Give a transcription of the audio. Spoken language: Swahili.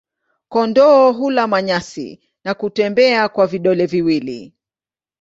Kondoo hula manyasi na kutembea kwa vidole viwili.